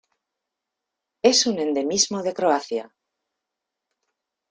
Es un endemismo de Croacia.